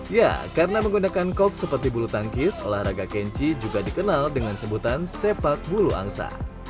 ya karena menggunakan kops seperti bulu tangkis olahraga kenji juga dikenal dengan sebutan sepak bulu angsa